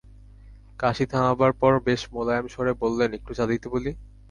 কাশি থামাবার পর বেশ মোলায়েম স্বরে বললেন, একটু চা দিতে বলি?